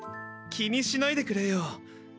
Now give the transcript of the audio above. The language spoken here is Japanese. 気にしないでくれよ。